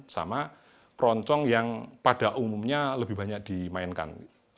sama keroncong yang pada umumnya lebih banyak dimainkan